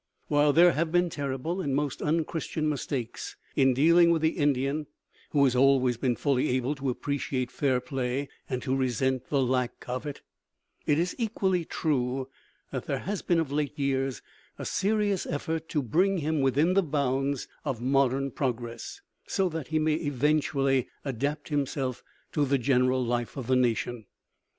While there have been terrible and most un Christian mistakes in dealing with the Indian (who has always been fully able to appreciate fair play and to resent the lack of it), it is equally true that there has been of late years a serious effort to bring him within the bounds of modern progress, so that he may eventually adapt himself to the general life of the nation.